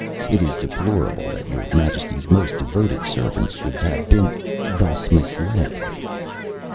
It is deplorable that your Majesty's most devoted servants should have been thus misled."